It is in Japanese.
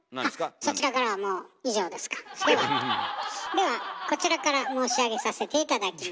ではこちらから申し上げさせて頂きます。